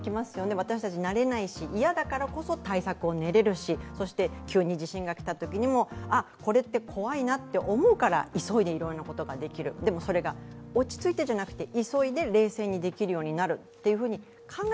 私たち慣れないし、嫌だからこそ対策を練られしそして急に地震が来たときにも、これって怖いなと思うから急いでいろいろなことができるでもそれが落ち着いてじゃなくて急いで冷静にできるように。